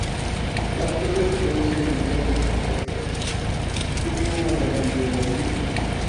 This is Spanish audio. Las flores se producen en densas inflorescencias, que tienen una gran cantidad de estilos.